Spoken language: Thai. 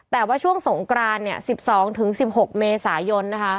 แต่ว่าช่วงสงกราน๑๒๑๖เมษายนนะคะ